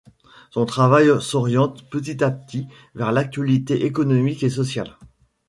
Son travail s'oriente petit à petit vers l'actualité économique et sociale.